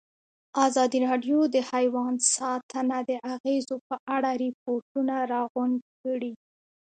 ازادي راډیو د حیوان ساتنه د اغېزو په اړه ریپوټونه راغونډ کړي.